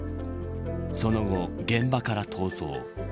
その後、現場から逃走。